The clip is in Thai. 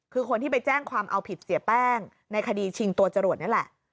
คือคนที่ไปแจ้งความเอาผิดเสียแป้งในคดีชิงตัวจรวดนี่แหละ